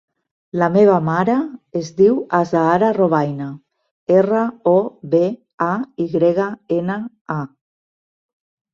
La meva mare es diu Azahara Robayna: erra, o, be, a, i grega, ena, a.